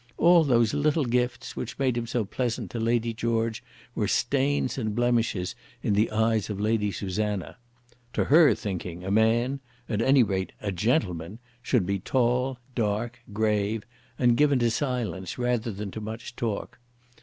All those little gifts which made him so pleasant to Lady George were stains and blemishes in the eyes of Lady Susanna. To her thinking, a man, at any rate a gentleman, should be tall, dark, grave, and given to silence rather than to much talk.